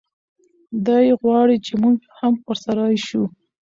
دی غواړي چې موږ هم ورسره شو.